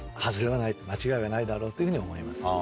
間違いはないだろうというふうに思います。